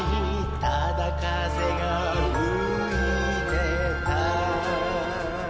ただ風が吹いてた